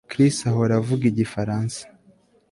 Chris ahora avuga igifaransa